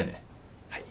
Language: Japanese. はい。